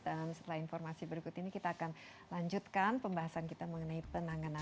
dan setelah informasi berikut ini kita akan lanjutkan pembahasan kita mengikutnya